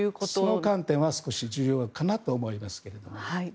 その観点は少し重要かなと思いますけども。